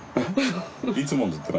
いつものって何？